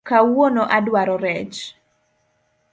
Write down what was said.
Kawuono adwaro rech